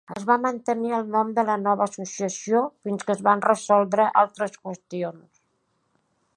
Es va mantenir el nom de la nova associació fins que es van resoldre altres qüestions.